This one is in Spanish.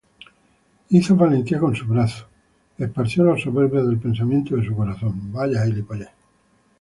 Hizo valentía con su brazo: Esparció los soberbios del pensamiento de su corazón.